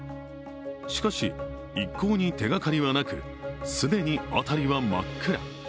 しかし、一向に手がかりはなく既に辺りは真っ暗。